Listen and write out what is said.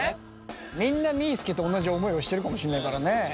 みんなみーすけと同じ思いをしてるかもしれないからね。